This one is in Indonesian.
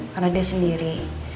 karena dia sendiri